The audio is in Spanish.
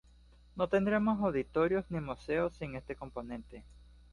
No tendríamos auditorios ni museos sin ese componente.